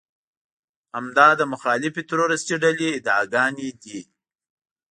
همدا د مخالفې تروريستي ډلې ادعاګانې دي.